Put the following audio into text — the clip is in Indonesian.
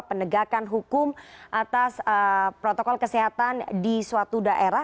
penegakan hukum atas protokol kesehatan di suatu daerah